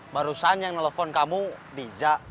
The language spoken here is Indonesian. barusan yang telepon kamu dija